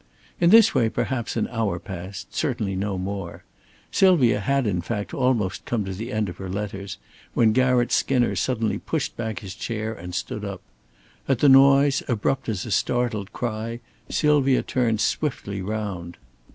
In this way perhaps an hour passed; certainly no more. Sylvia had, in fact, almost come to the end of her letters, when Garratt Skinner suddenly pushed back his chair and stood up. At the noise, abrupt as a startled cry, Sylvia turned swiftly round.